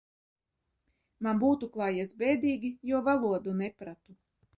Man būtu klājies bēdīgi, jo valodu nepratu.